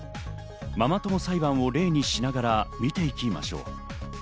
ママ友裁判を例にしながら見ていきましょう。